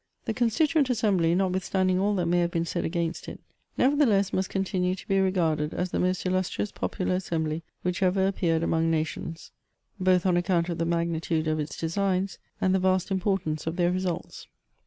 The Constituent Assembly, notwithstanding all that may have been said against it, nevertheless must continue to be regarded as the most illustrious popular assembly which ever appeared among nations, both on account of the magnitude of its designs, and the vast importance of their results.